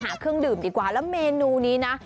เครื่องดื่มดีกว่าแล้วเมนูนี้นะ